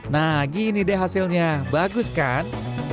nah gini deh hasilnya bagus kan